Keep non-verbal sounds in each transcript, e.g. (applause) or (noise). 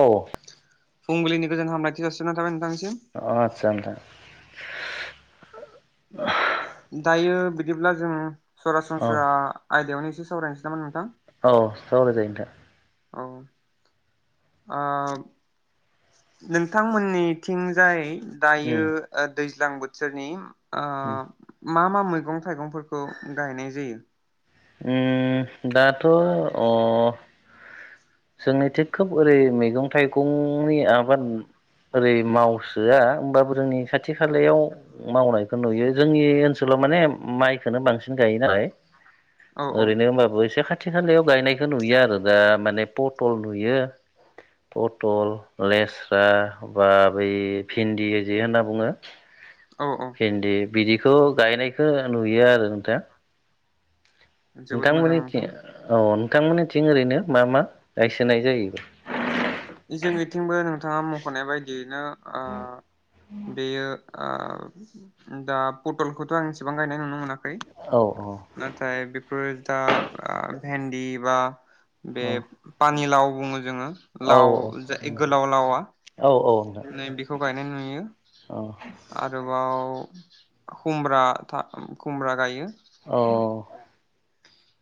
औ। फुंबिलिनि गोजोन हामलथि जासिनाय थाबाय नोंथांनिसि। अ आतसा नोंथां। दायो बिदिब्ला जों सरा औ सुनस्रा आयदायावनो सावरायनोसै नामा नोंथां? औ सावराय जायो नोंथां। औ ओ नोंथांमोननिथिंजाय नोंथां दायो उम ओ दैज ज्लां बोथोरनि ओ उम मा मा मैगं थाइगंफोरखौ गाहायनाय जायो? उम दाथ' अ जोंनिथि खोब ओरै मैगं थाइगंनि आबाद ओरै मावसोआ होमबाबो जोंनि खाथि खालायाव मावनायखौ नुयो जोंनि ओनसोलाव माने माइखोनो बांसिन गायो नालाय औ औ ओरैनो होनबाबो एसे खाथि खालायाव गायनायखौ नुयो आरो दा माने पटल नुयो पटल लेस्रा बा बै भिन्दि जि होनना बुङो औ औ भिन्दि बिदिखौ गायनायखो नुयो आरो नोंथां। जोबोद मोजां नोंथांमोनथि नोंथां औ नोंथांमोननिथिं ओरैनो मा मा गायसोनाय जायो? जोंनिथिंबो नोंथाङा मख'नाय बायदियैनो ओ बेयो ओ दा पटलखौथ' आं एसिबां गायनाय नुनो मोनाखै औ औ (unintelligible) नाथाय बे दा ओ भेन्दिब बे पानिलाव बुङो जोङो औ लाव जे ओइ गोलाव लावा औ औ नोंथां नै बेखौ गायनाय नुयो (unintelligible) औ खुमब्रा गायो अ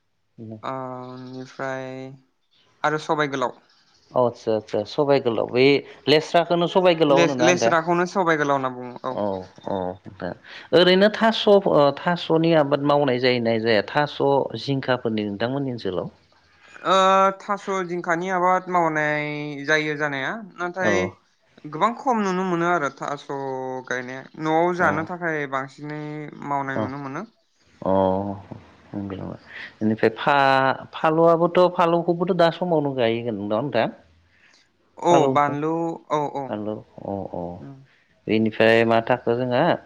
(unintelligible) ओमफ्राय आरो सबायाइ गोलाव अ आतसा खरसा सबाइ गोलाव बै लेस्रा बेखौनो सबाय गोलाव होनो ना नोंथां लेस्राखौनो सबाइ गोलाव होनना बुङो औ औ। ओरैनो थास थासनि आबाद मावनाय जायो ना जाया थास जिंखाफोरनि नोंथांमोननि ओनसोलाव। थास जिंखानि आबाद मावनाय जायो जानाया। औ नाथाय गोबां खम नुनो मोनो आरो। थास गायनाया। नआव औ जानो थाखाय बांसिन। बिनि। मावनाय औ नुनो मोनो। अ बेनिफ्राय बानलुआबोथ बानलुखौबोथ दा समावनो गाययो ना नोंथां दा। औ बानलु औ औ। अ अ बेनिफ्राय मा थाखो जोंहा।